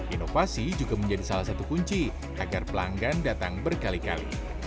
inovasi juga menjadi salah satu kunci agar pelanggan datang berkali kali